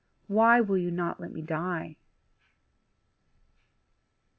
Why will you not let me die?"